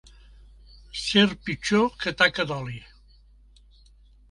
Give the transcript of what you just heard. Ser pitjor que taca d'oli.